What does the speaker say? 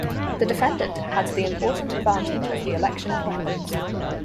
The defendant had the important advantage of the election of weapons.